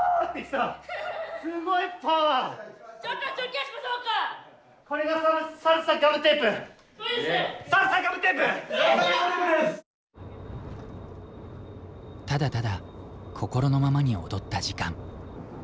ただただ心のままに踊った時間。